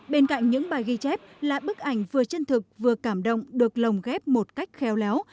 bên cạnh những bài ghi chép là bức ảnh vừa chân thực vừa cảm động được lồng ghép một cách khéo léo